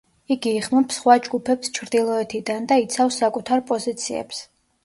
იგი იხმობს სხვა ჯუჯებს ჩრდილოეთიდან და იცავს საკუთარ პოზიციებს.